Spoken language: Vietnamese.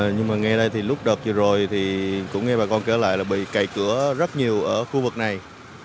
nhưng mà nghe đây thì lúc đợt vừa rồi thì cũng nghe bà con kể lại là bị cày cửa rất nhiều ở khu vực này